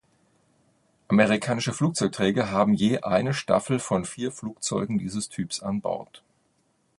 Amerikanische Flugzeugträger haben je eine Staffel von vier Flugzeugen dieses Typs an Bord.